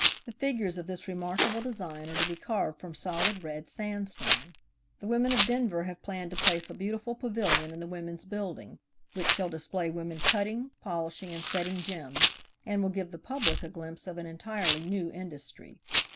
The figures of this remarkable design are to be carved from solid red sandstone. The women of Denver have planned to place a beautiful pavilion in the Women's Building, which shall display women cutting, polishing and setting gems, and will give the public a glimpse of an entirely new industry.